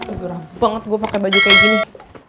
udah rambang banget gue pakai baju kayak gini